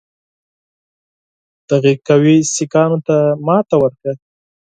دغې قوې سیکهانو ته ماته ورکړه.